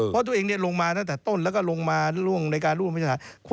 เพราะตัวเองเนี่ยลงมาตั้งแต่ต้นแล้วก็ลงมาในการร่วมพิจารณา